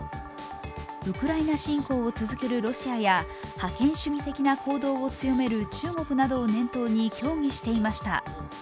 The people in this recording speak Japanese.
ウクライナ侵攻を続けるロシアや覇権主義的な行動を続ける中国などを念頭に協議していました。